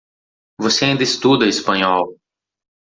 Você ainda estuda Espanhol.